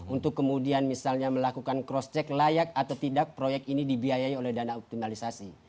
untuk kemudian misalnya melakukan cross check layak atau tidak proyek ini dibiayai oleh dana optimalisasi